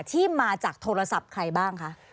ที่มาจากโทรศัพท์ใครบ้างคะ